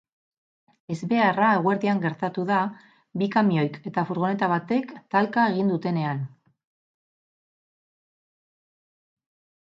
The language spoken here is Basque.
Ezbeharra eguerdian gertatu da, bi kamioik eta furgoneta batek talka egin dutenean.